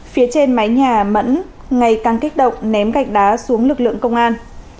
phía trên mái nhà mẫn ngày càng kích động ném gạch đá xuống lực lượng công an